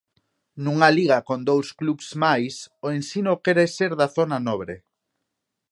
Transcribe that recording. Nunha Liga con dous clubs máis, o Ensino quere ser da zona nobre.